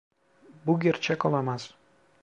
Bu gerçek olamaz.